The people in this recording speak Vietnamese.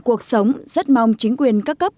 cuộc sống rất mong chính quyền các cấp